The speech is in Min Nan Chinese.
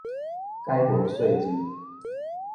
解文說字